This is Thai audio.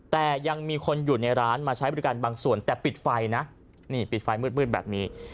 แต่ยังมีคนอยู่ในร้านมาใช้บริการบางส่วนแต่ปิดไฟนะนี่ปิดไฟมืดแบบนี้